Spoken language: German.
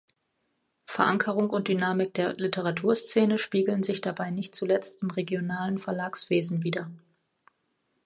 Verankerung und Dynamik der Literaturszene spiegeln sich dabei nicht zuletzt im regionalen Verlagswesen wider.